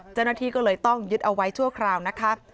เจ้าหน้าที่ก็เลยต้องยึดเอาไว้ชั่วคราวนะคะ